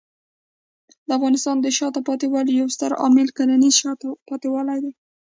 د افغانستان د شاته پاتې والي یو ستر عامل کرنېز شاته پاتې والی دی.